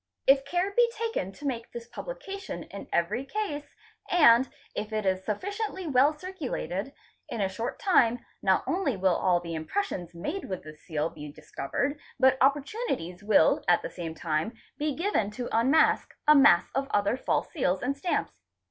If care be taken to make this publication in every case, and if it is sufficiently well circulated, in a short time not only will all the impressions AB AES Aik 1 AROMA MT he 4 ) made with this seal be discovered, but opportunities will at the same time be given to unmask a mass of other false seals and stamps.